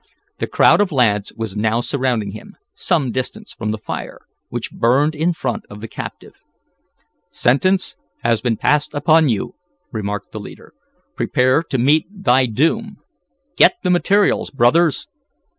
The crowd of lads was now surrounding him, some distance from the fire, which burned in front of the captive. "Sentence has been passed upon you," remarked the leader. "Prepare to meet thy doom! Get the materials, brothers!"